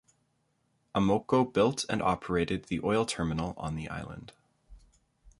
Amoco built and operated the oil terminal on the island.